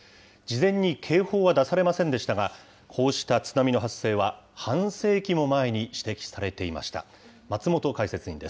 事前に警報は出されませんでしたが、こうした津波の発生は、半世紀も前に指摘されていました。